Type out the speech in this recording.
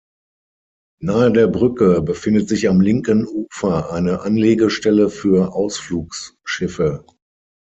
Nahe der Brücke befindet sich am linken Ufer eine Anlegestelle für Ausflugsschiffe.